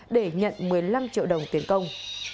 để nhận một mươi năm triệu đồng tiền công